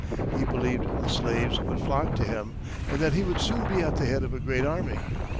He believed the slaves would flock to him, and that he would soon be at the head of a great army.